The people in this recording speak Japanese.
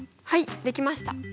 はい出来ました。